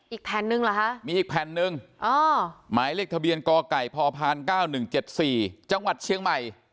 อีกแผ่นหนึ่งเหรอคะมีอีกแผ่นหนึ่งหมายเลขทะเบียนกไก่พพ๙๑๗๔จังหวัดเชียงใหม่